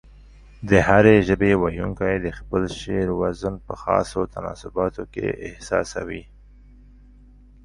د هرې ژبې ويونکي د خپل شعر وزن په خاصو تناسباتو کې احساسوي.